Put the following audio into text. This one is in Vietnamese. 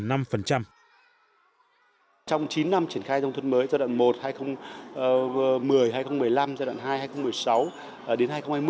trong chín năm triển khai nông thôn mới giai đoạn một hai nghìn một mươi hai nghìn một mươi năm giai đoạn hai hai nghìn một mươi sáu đến hai nghìn hai mươi